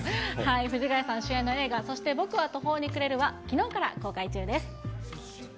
藤ヶ谷さん主演の映画、そして僕は途方に暮れるは、きのうから公開中です。